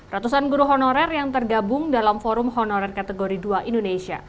ratusan guru honorer yang tergabung dalam forum honorer kategori dua indonesia